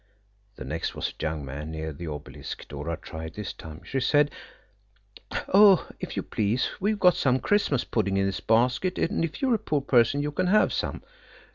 The next was a young man near the Obelisk. Dora tried this time. She said, "Oh, if you please we've got some Christmas pudding in this basket, and if you're a poor person you can have some."